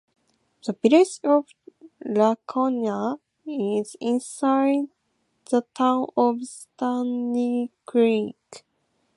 The Village of Lacona is inside the Town of Sandy Creek.